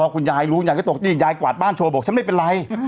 คุณยายรู้ยายก็ตกนี่ยายกวาดบ้านโชว์บอกฉันไม่เป็นไร